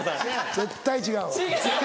絶対違うわ。